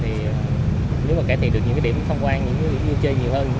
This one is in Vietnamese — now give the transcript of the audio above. thì nếu mà cải thiện được những điểm thông quan những điểm chơi nhiều hơn